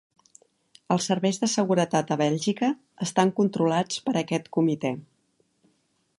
Els serveis de seguretat a Bèlgica estan controlats per aquest comitè.